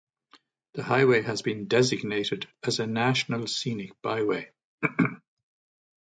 The highway has been designated as a National Scenic Byway.